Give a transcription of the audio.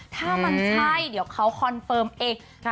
ถ้ามันใช่เดี๋ยวเขาคอนเฟิร์มเอง